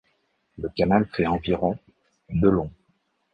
Le canal fait environ de long.